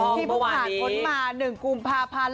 ที่พวกผ่านค้นมา๑กลุ่มพาพันธุ์